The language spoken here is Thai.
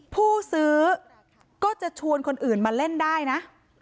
ผู้ซื้อก็จะชวนคนอื่นมาเล่นได้นะ